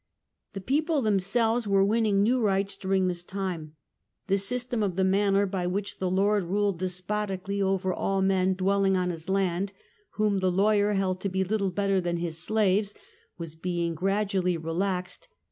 The people themselves were winning new rights during this time. The system of the manor, by which the lord Th p ruled despotically over all men dwelling cope. ^^ Y^ land, whom the lawyer held to be little better than his slaves, was being gradually relaxed.